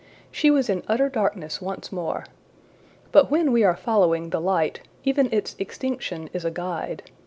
She was in utter darkness once more. But when we are following the light, even its extinction is a guide.